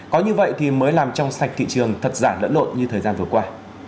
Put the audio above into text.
có như vậy thì mới làm trong sạch thị trường thật giả lẫn lộn như thời gian vừa qua